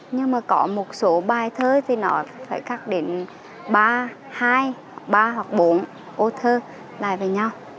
nhưng mà có một số bài thơ thì nó phải khắc đến ba hai ba hoặc bốn ô thơ lại với nhau